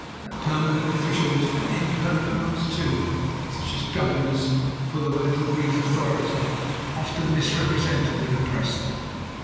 That permanent officials and im permanent ones too—such as governors full of a little brief authority—often misrepresented and oppressed them.